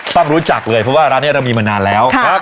ต้องรู้จักเลยเพราะว่าร้านนี้เรามีมานานแล้ว